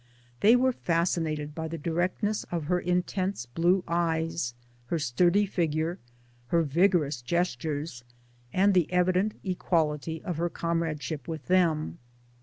They were fasci nated by the directness of her intense blue eyes, her sturdy figure, her vigorous gestures, and the evident equality of her comradeship with them.